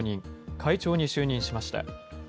会長に就任しました。